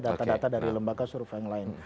data data dari lembaga survei yang lain